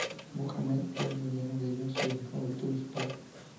Mohamed era el mediano de ellos y el favorito de su padre.